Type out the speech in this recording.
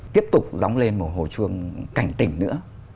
tiếp tục dóng lên một hồi chuông cảnh tỉnh nữa